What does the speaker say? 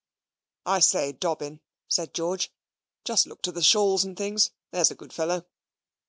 "I say, Dobbin," says George, "just look to the shawls and things, there's a good fellow."